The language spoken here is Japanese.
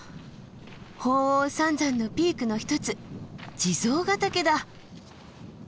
鳳凰三山のピークの一つ地蔵ヶ岳だ。